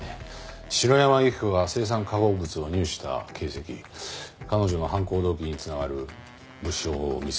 城山由希子が青酸化合物を入手した形跡彼女の犯行動機に繋がる物証を見つけてください。